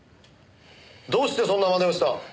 どうしてそんな真似をした？